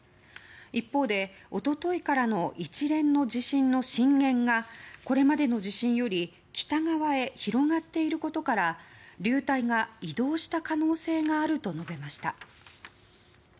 一方で、一昨日からの一連の地震の震源がこれまでの地震より北側へ広がっていることから流体が移動した可能性があると述べました。